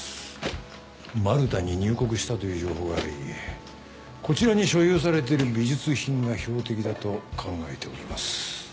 マルタに入国したという情報がありこちらに所有されてる美術品が標的だと考えております。